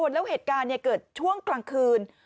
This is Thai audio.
แล้วเหตุการณ์เกิดช่วงกลางคืน